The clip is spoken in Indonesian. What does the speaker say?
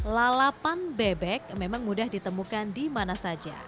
lalapan bebek memang mudah ditemukan di mana saja